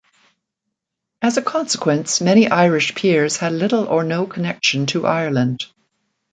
As a consequence, many Irish peers had little or no connection to Ireland.